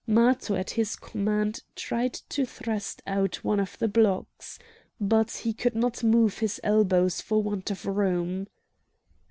Matho at his command tried to thrust out one of the blocks. But he could not move his elbows for want of room.